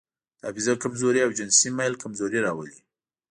د حافظې کمزوري او جنسي میل کمزوري راولي.